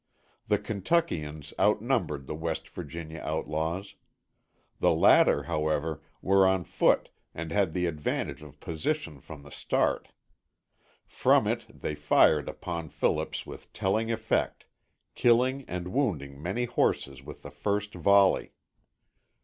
The Kentuckians outnumbered the West Virginia outlaws. The latter, however, were on foot and had the advantage of position from the start. From it they fired upon Phillips with telling effect, killing and wounding many horses with the first volley.